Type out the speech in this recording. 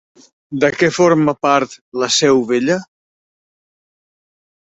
De què forma part La Seu Vella?